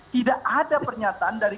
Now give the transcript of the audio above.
tidak ada pernyataan dari